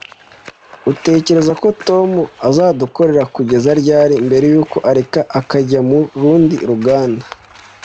Utekereza ko Tom azadukorera kugeza ryari mbere yuko areka akajya mu rundi ruganda?